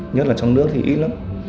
nhất là trong nước thì ít lắm